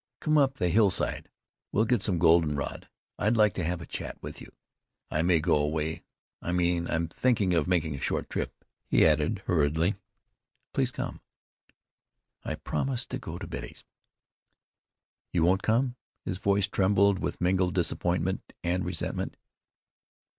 Come up the hillside. We'll get some goldenrod. I'd like to have a chat with you. I may go away I mean I'm thinking of making a short trip," he added hurriedly. "Please come." "I promised to go to Betty's." "You won't come?" His voice trembled with mingled disappointment and resentment.